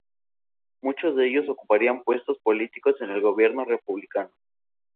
Muchos de ellos ocuparían puestos políticos en el gobierno republicano.